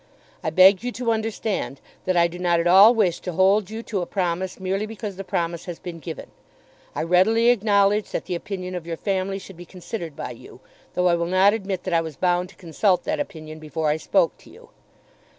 I beg you to understand that I do not at all wish to hold you to a promise merely because the promise has been given. I readily acknowledge that the opinion of your family should be considered by you, though I will not admit that I was bound to consult that opinion before I spoke to you.